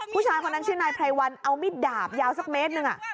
ผู้ชายคนนั้นชื่อนายไพรวันเอามิดดาบยาวสักเมตรหนึ่ง